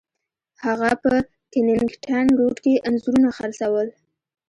هغه په کینینګټن روډ کې انځورونه خرڅول.